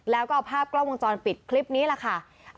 และภาพกล้องวงจรปิดคลิปนี้ล่ะค่ะ